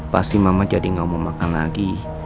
pasti mama jadi gak mau makan lagi